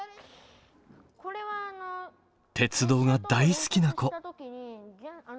鉄道が大好きな子。